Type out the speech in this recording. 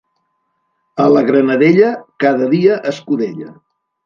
A la Granadella, cada dia escudella.